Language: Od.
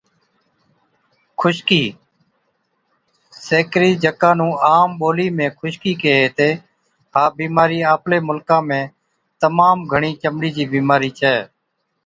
خُشڪِي Dandruff، سيڪرِي جڪا نُون عام ٻولِي ۾ خُشڪِي ڪيهي هِتي، ها بِيمارِي آپلي مُلڪا ۾ تمام گھڻِي چمڙي چِي بِيمارِي ڇَي۔